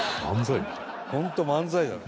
ホント漫才だね。